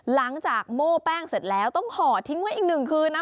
หลังจากโม่แป้งเสร็จแล้วต้องห่อทิ้งไว้อีกหนึ่งคืนนะ